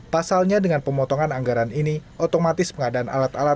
pasalnya dengan pemotongan anggaran ini otomatis pengadaan alat alat untuk mencari penyelenggaraan